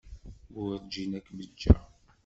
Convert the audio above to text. Werǧin ad kem-ǧǧeɣ.